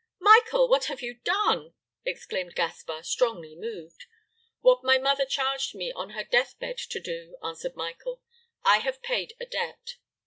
"Michael, what have you done?" exclaimed Gaspar, strongly moved. "What my mother charged me on her death bed to do," answered Michael; "I have paid a debt.'